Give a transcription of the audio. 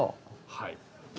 はい。